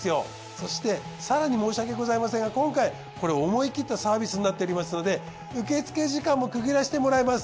そして更に申し訳ございませんが今回これ思い切ったサービスになっておりますので受付時間も区切らせてもらいます。